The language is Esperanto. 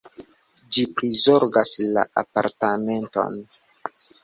Ĝi prizorgas la apartamenton.